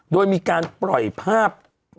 โดยมีการปล่อยภาพ